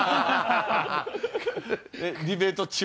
ディベート中？